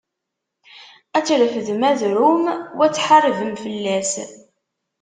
Ad trefdem adrum u ad tḥarbem fell-as.